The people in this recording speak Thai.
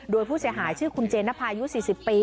โดยผู้เสียหายชื่อคุณเจนภายุ๔๐ปี